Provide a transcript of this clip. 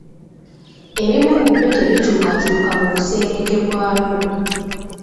Ebimu ku byo tebikyukakyuka mu busengeke bwabyo.